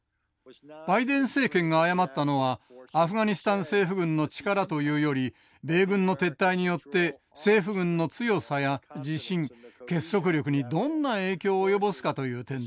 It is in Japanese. バイデン政権が誤ったのはアフガニスタン政府軍の力というより米軍の撤退によって政府軍の強さや自信結束力にどんな影響を及ぼすかという点です。